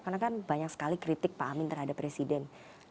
karena kan banyak sekali kritik pak amin terhadap presiden